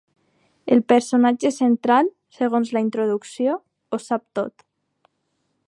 El personatge central, segons la introducció, ho sap tot.